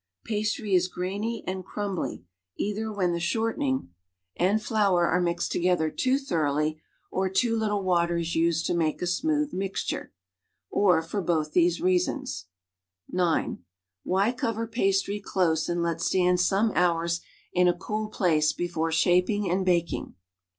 Pastry is grainy and crumbly either when the shortening 63 and flour are mixed togellier too thoroughly or too little water is used to make a smooth mixture, or for both these reasons. (9) AYhy rover pastry close and let stand some hours in a cool place before shaping and baking?